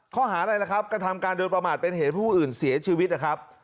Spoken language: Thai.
ข้อหาอะไรล่ะครับกระทำการโดยประมาทเป็นเหตุผู้อื่นเสียชีวิตนะครับ